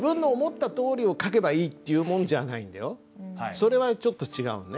それはちょっと違うのね。